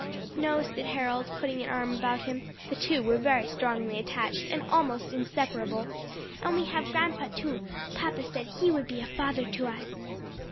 "No," said Harold, putting an arm about him (the two were very strongly attached and almost inseparable); "and we have grandpa too: papa said he would be a father to us."